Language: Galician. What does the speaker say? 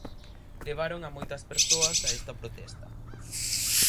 Levaron a moitas persoas a esta protesta.